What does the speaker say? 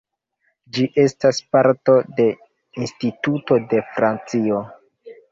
Ĝi estas parto de Instituto de Francio.